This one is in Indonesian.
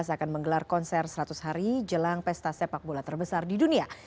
akan menggelar konser seratus hari jelang pesta sepak bola terbesar di dunia